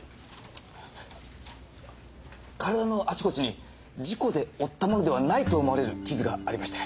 体のあちこちに事故で負ったものではないと思われる傷がありまして。